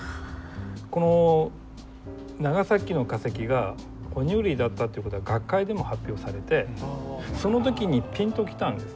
この長崎の化石が哺乳類だったってことが学会でも発表されてその時にピンと来たんです。